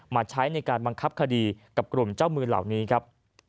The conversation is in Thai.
มาใช้ในการบังคับคดีกับกลุ่มเจ้ามือเหล่านี้ครับ